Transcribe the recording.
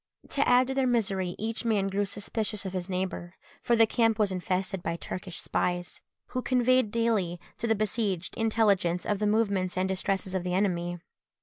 To add to their misery, each man grew suspicious of his neighbour; for the camp was infested by Turkish spies, who conveyed daily to the besieged intelligence of the movements and distresses of the enemy.